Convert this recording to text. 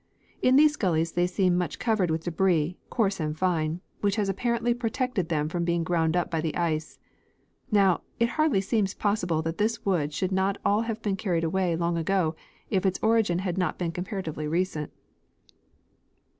In these gullies they seemed much covered with debris, coarse and fine, which has apparently protected them from being ground up by the ice. Now, it hardly seems possible that this wood should not all have l)een carried away long ago if its origin had not been compara tively recent.